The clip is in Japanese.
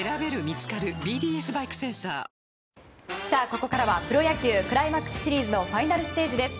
ここからは、プロ野球クライマックスシリーズのファイナルステージです。